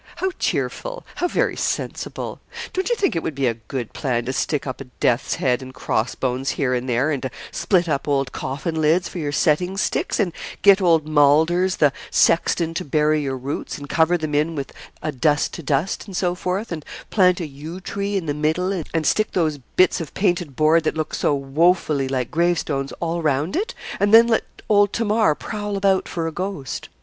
How cheerful; how very sensible. Don't you think it would be a good plan to stick up a death's head and cross bones here and there, and to split up old coffin lids for your setting sticks, and get old Mowlders, the sexton, to bury your roots, and cover them in with a "dust to dust," and so forth, and plant a yew tree in the middle, and stick those bits of painted board, that look so woefully like gravestones, all round it, and then let old Tamar prowl about for a ghost?